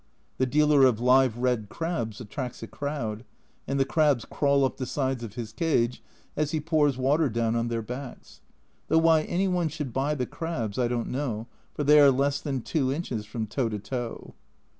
The dealer of live red crabs attracts a crowd, and the crabs crawl up the sides of his cage as he pours water down on their backs. Though why any one should buy the crabs, I don't know, for they are less than 2 inches from toe to toe.